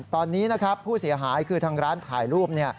ตอนนี้นะครับผู้เสียหายคือทางร้านถ่ายรูป